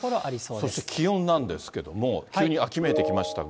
そして気温なんですけれども、急に秋めいてきましたが。